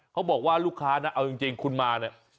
เขาบอกว่าลูกค้านะเอาจริงคุณมาเนี่ย